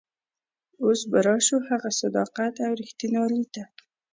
اوس به راشو هغه صداقت او رښتینولي ته.